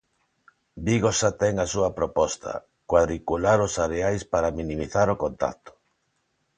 Vigo xa ten a súa proposta: cuadricular os areais para minimizar o contacto.